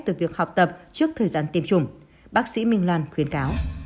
từ việc học tập trước thời gian tiêm chủng bác sĩ minh lan khuyến cáo